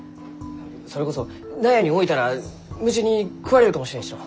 それこそ納屋に置いたら虫に食われるかもしれんしの。